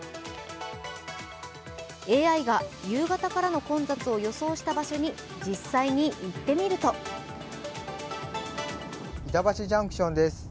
ＡＩが夕方からの混雑を予想した場所に実際に行ってみると板橋ジャンクションです。